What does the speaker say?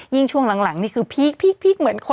ยิ่งช่วงหลังนี่คือพีค